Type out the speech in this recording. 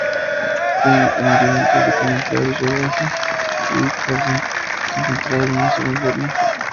Wynn murió antes de comenzar el rodaje y Carradine se encontraba demasiado enfermo.